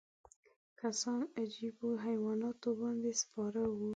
کسان عجیبو حیواناتو باندې سپاره وو.